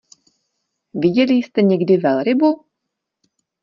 Viděli jste někdy velrybu?